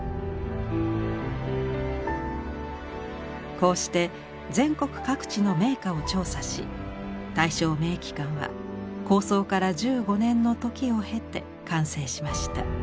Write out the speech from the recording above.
こうして全国各地の名家を調査し「大正名器鑑」は構想から１５年の時を経て完成しました。